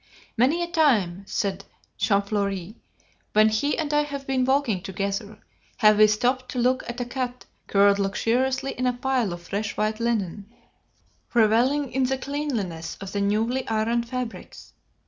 "Many a time," said Champfleury, "when he and I have been walking together, have we stopped to look at a cat curled luxuriously in a pile of fresh white linen, revelling in the cleanliness of the newly ironed fabrics.